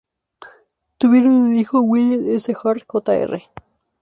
Tuvieron un hijo, William S. Hart Jr.